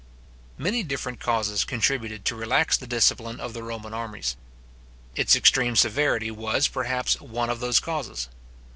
Many different causes contributed to relax the discipline of the Roman armies. Its extreme severity was, perhaps, one of those causes.